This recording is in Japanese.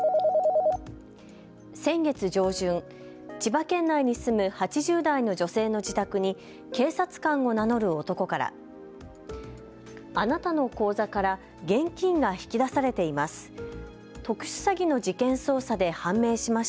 先月上旬、千葉県内に住む８０代の女性の自宅に警察官を名乗る男からあなたの口座から現金が引き出されています。